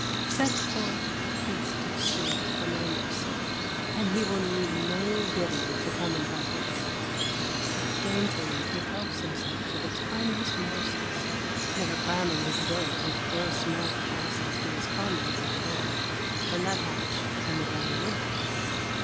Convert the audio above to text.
Set forth a feast of suet on the window sill, and he will need no bidding to come and partake of it. How daintily he helps himself to the tiniest morsels, never cramming his bill with gross mouthfuls as do his comrades at the board, the nuthatch and the downy woodpecker!